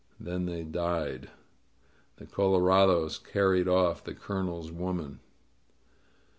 Then they died. The colorados carried off the Colonel's woman.